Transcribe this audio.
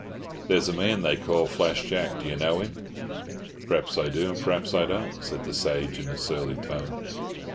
"There's a man they call Flash Jack—do you know him?" "Perhaps I do, and perhaps I don't," said the sage in a surly tone.